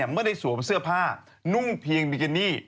ไม่ได้สวมเสื้อผ้านุ่งเพียงบิกินี่